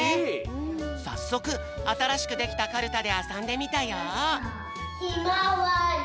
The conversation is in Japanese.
さっそくあたらしくできたカルタであそんでみたよ。